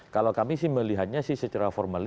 kalau kami sih melihatnya sih secara formal